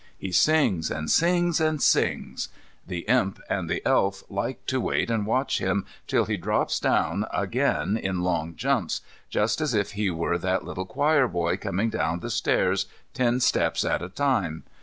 He sings and sings and sings. The Imp and the Elf like to wait and watch him till he drops down again in long jumps, just as if he were that little choir boy coming down the stairs ten steps at a time.